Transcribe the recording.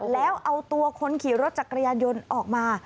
แล้วเอาตัวคนขี่รถจักรยานยนต์ออกมา